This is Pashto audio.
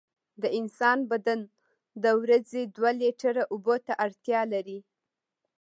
د انسان بدن د ورځې دوه لېټره اوبو ته اړتیا لري.